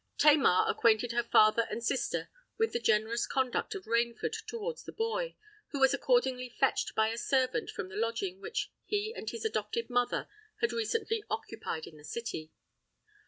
Tamar acquainted her father and sister with the generous conduct of Rainford towards the boy, who was accordingly fetched by a servant from the lodging which he and his adopted mother had recently occupied in the City.